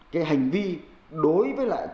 cái hành vi đối với lại